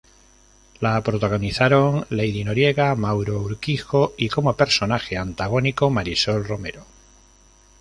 La protagonizaron Lady Noriega, Mauro Urquijo y como personaje antagónico Marisol Romero.